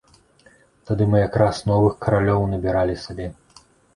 Тады мы якраз новых кавалёў набіралі сабе.